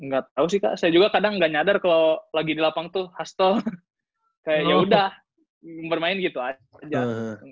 gak tau sih kak saya juga kadang gak nyadar kalau lagi di lapang tuh hustle kayaknya udah bermain gitu aja